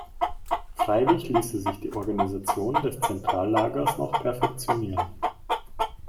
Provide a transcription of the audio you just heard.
Freilich ließe sich die Organisation des Zentrallagers noch perfektionieren.